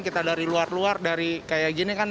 kita dari luar luar dari kayak gini kan